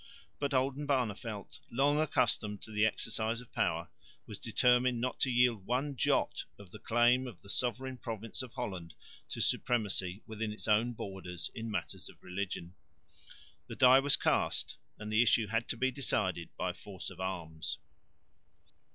But Oldenbarneveldt, long accustomed to the exercise of power, was determined not to yield one jot of the claim of the sovereign province of Holland to supremacy within its own borders in matters of religion. The die was cast and the issue had to be decided by force of arms.